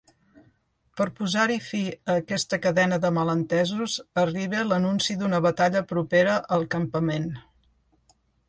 Per posar-hi fi a aquesta cadena de malentesos, arriba l'anunci d'una batalla propera al campament.